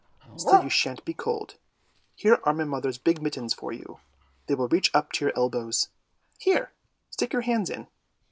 Still you shan't be cold. Here are my mother's big mittens for you, they will reach up to your elbows; here, stick your hands in!